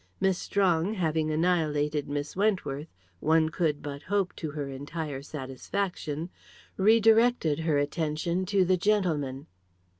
Miss Strong, having annihilated Miss Wentworth, one could but hope to her entire satisfaction, redirected her attention to the gentleman.